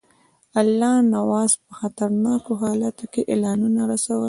الله نواز په خطرناکو حالاتو کې اعلانونه رسول.